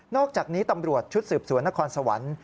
อกจากนี้ตำรวจชุดสืบสวนนครสวรรค์